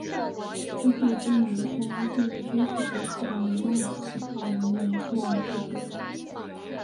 之后钟南山建议恢复过去的流浪乞讨人员收容制度。